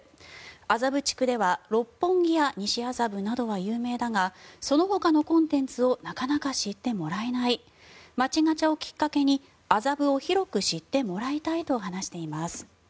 麻布地区では六本木や西麻布などは有名だがそのほかのコンテンツをなかなか知ってもらえない街ガチャをきっかけに麻布を広く知ってもらいたいと話しています。